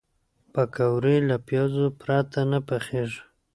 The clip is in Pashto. پکورې له پیازو پرته نه پخېږي